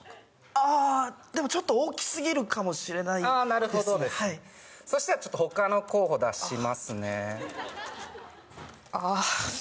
ああでもちょっと大きすぎるかもしれないですねなるほどですそしたらちょっとほかの候補出しますねああ